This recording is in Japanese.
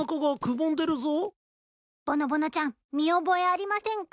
ぼのぼのちゃん見覚えありませんか？